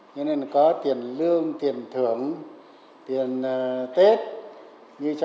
nên có tiền lương tiền thưởng tiền tết